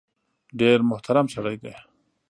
ډېر محترم سړی دی .